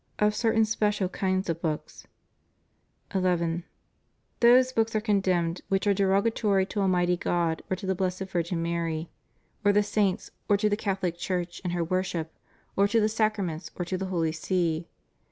Of Certain Special Kinds of Books. 11. Those books are condemned which are derogatory to Ahnighty God, or to the Blessed Virgin Mary, or the 414 THE PROHIBITION AND CENSORSHIP OF BOOKS. Saints, or to the Catholic Church and her worship, or to the sacraments, or to the Holy See.